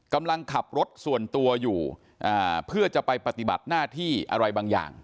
กำลังขับรถส่วนตัวอยู่เพื่อจะไปปฏิบัติหน้าที่อะไรบางอย่าง